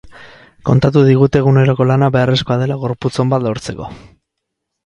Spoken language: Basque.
Kontatu digute eguneroko lana beharrezkoa dela gorputz on bat lortzeko.